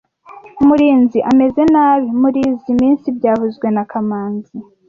Murinzi ameze nabi murizoi minsi byavuzwe na kamanzi